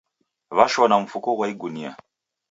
Washona mfuko ghwa igunia